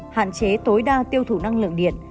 hạn chế tối đa tiêu thủ năng lượng điện